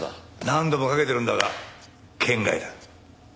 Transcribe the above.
何度もかけてるんだが圏外だ。